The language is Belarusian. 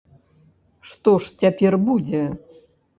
Што ж цяпер будзе?